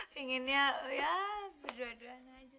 pinginnya berdua duanya aja